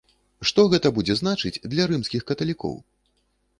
Што гэта будзе значыць для рымскіх каталікоў?